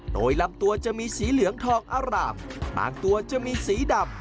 โดยลำตัวจะมีสีเหลืองทองอร่ามบางตัวจะมีสีดำ